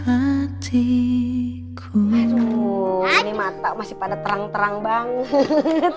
hati ini mata masih pada terang terang banget